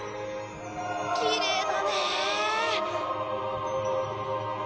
きれいだね。